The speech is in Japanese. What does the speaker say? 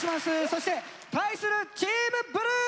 そして対するチームブルー！